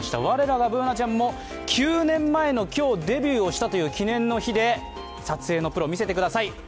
我らがＢｏｏｎａちゃんも９年前の今日デビューしたという記念の日で、撮影のプロ、見せてください。